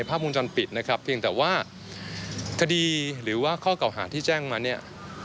เพียงแต่ว่าคดีหรือว่าข้อเก่าหาที่แจ้งมาเนี่ย